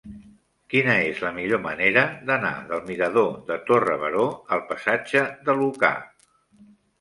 Quina és la millor manera d'anar del mirador de Torre Baró al passatge de Lucà?